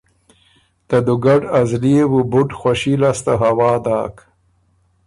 ته دُوګډ ا زلی يې بُو بُډ خوشي لاسته هوا داک۔